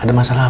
ada masalah apa